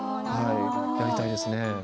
やりたいですね。